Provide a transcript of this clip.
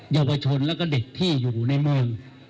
เยาวชนแล้วก็เด็กที่อยู่ในเมือง